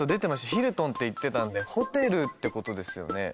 ヒルトンって言ってたんでホテルって事ですよね。